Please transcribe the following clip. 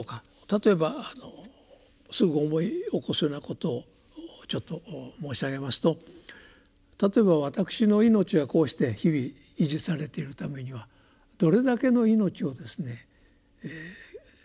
例えばすぐ思い起こすようなことをちょっと申し上げますと例えば私の命がこうして日々維持されてるためにはどれだけの命をですね犠牲にしているか。